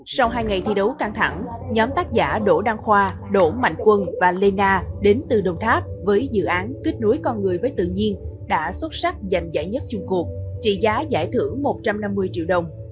sau hai ngày thi đấu căng thẳng nhóm tác giả đỗ đăng khoa đỗ mạnh quân và lê na đến từ đồng tháp với dự án kết nối con người với tự nhiên đã xuất sắc giành giải nhất chung cuộc trị giá giải thưởng một trăm năm mươi triệu đồng